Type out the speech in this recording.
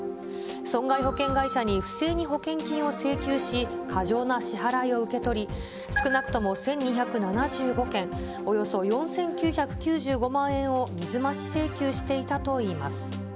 損害保険会社に不正に保険金を請求し、過剰な支払いを受け取り、少なくとも１２７５件、およそ４９９５万円を水増し請求していたといいます。